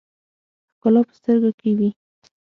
ښکلا په سترګو کښې وي